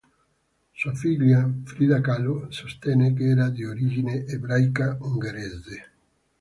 Sua figlia Frida Kahlo sostenne che era di origine ebraica ungherese.